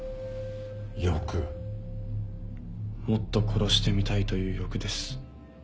もっと殺してみたいという欲です。